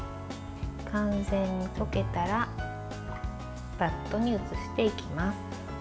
完全に溶けたらバットに移していきます。